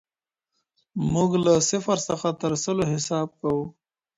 موږ له صفر څخه تر سلو حساب کوو.